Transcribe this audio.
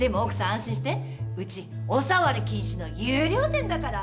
安心してうちお触り禁止の優良店だから。